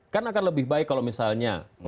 kan akan lebih baik kalau misalnya